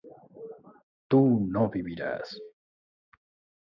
tú no vivirás